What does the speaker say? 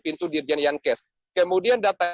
pintu dirjen yankes kemudian data